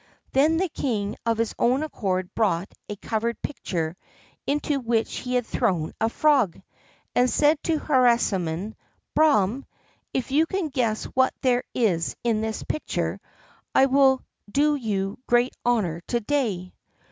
Then the king of his own accord brought a covered pitcher into which he had thrown a frog, and said to Harisarman: "Brahman, if you can guess what there is in this pitcher, I will do you great honor to day."